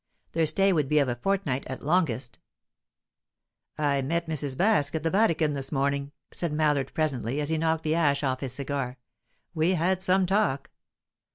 Their stay would be of a fortnight at longest. "I met Mrs. Baske at the Vatican this morning," said Mallard presently, as he knocked the ash off his cigar. "We had some talk."